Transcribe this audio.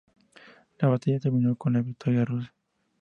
La batalla terminó con la victoria rusa.